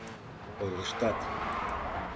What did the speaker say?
Ойлыштат...